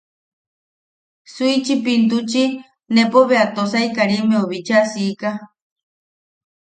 Suichipintuchi nepo bea Tosai Karimmeu bicha siika.